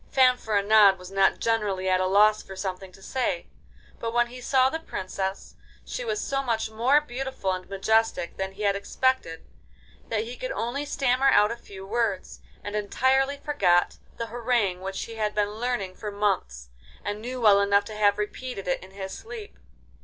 Fanfaronade was not generally at a loss for something to say, but when he saw the Princess, she was so much more beautiful and majestic than he had expected that he could only stammer out a few words, and entirely forgot the harangue which he had been learning for months, and knew well enough to have repeated it in his sleep.